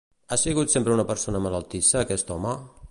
Ha sigut sempre una persona malaltissa aquest home?